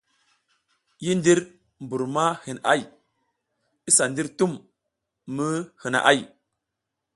Yi ndir bur ma hin ay,i sa ndir tum mi hina ‘ay.